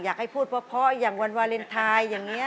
อยากให้พูดเพราะอย่างวันวาเลนไทยอย่างนี้